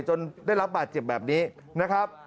จนได้รับบาดเจ็บแบบนี้นะครับ